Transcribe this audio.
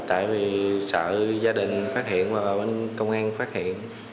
tại vì sợ gia đình phát hiện và bên công an phát hiện